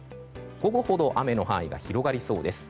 午後ほど雨の範囲が広がりそうです。